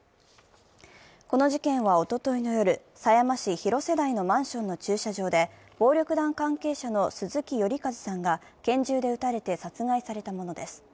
この事件はおとといの夜、狭山市広瀬台のマンションの駐車場で暴力団関係者の鈴木頼一さんが拳銃で撃たれて殺害されたものです。